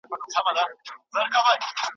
ولي کوښښ کوونکی د مستحق سړي په پرتله بریا خپلوي؟